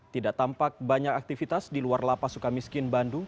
tidak tampak banyak aktivitas di luar lapas suka miskin bandung